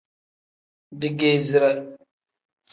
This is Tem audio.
Digeezire.